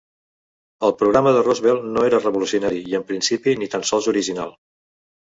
El programa de Roosevelt no era revolucionari, i en principi ni tan sols original.